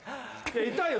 痛いよ。